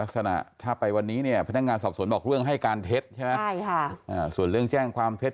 ส่วนเรื่องแจ้งความเท็จ